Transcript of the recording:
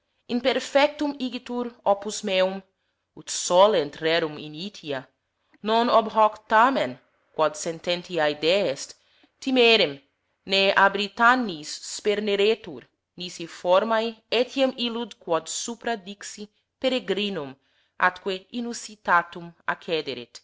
Imperfectum igitur opus meum, ut solent rerum initia, non ob hoc tamen, quod sententiz deest, timerem, ne a Britannis sperneretur, nisi forme etiam illud quod supra dixi peregrinum atque inusitatum accederet.